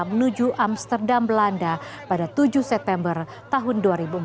menuju amsterdam belanda pada tujuh september tahun dua ribu empat belas